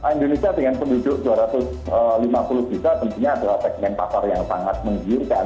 indonesia dengan penduduk dua ratus lima puluh juta tentunya adalah segmen pasar yang sangat menggiurkan